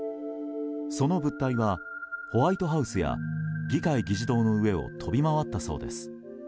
その物体はホワイトハウスや議会議事堂の上を飛び回ったそうです。